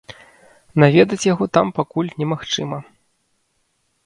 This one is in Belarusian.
Наведаць яго там пакуль немагчыма.